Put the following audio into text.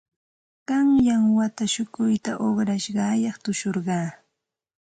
Qanyan wata shukuyta uqrashqayaq tushurqaa.